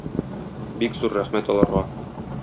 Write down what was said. Бик зур рәхмәт аларга.